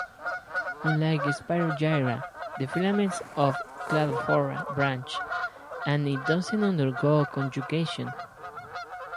Unlike "Spirogyra" the filaments of "Cladophora" branch and it doesn't undergo conjugation.